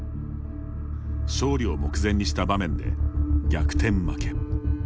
勝利を目前にした場面で逆転負け。